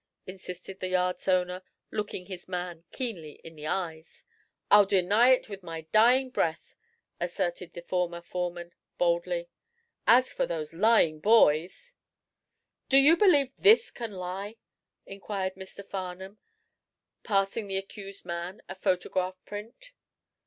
insisted the yard's owner, looking his man keenly in the eyes. "I'll deny it with my dying breath," asserted the former foreman, boldly. "As for those lying boys " "Do you believe this can lie?" inquired Mr. Farnum, passing the accused man a photograph print.